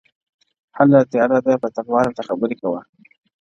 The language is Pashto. هله تياره ده په تلوار راته خبري کوه~